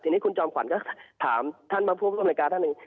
ทีนี้คุณจอมขวัญก็ถามท่านบำพูปในรายการท่าน